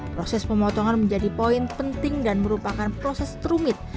proses pemotongan menjadi poin penting dan merupakan proses rumit